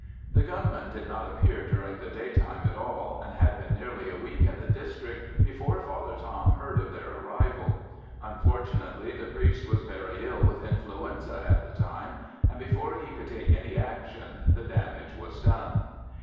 The gunmen did not appear during the day time at all, and had been nearly a week in the district before Father Tom heard of their arrival. Unfortunately, the priest was very ill with influenza at the time, and before he could take any action the damage was done.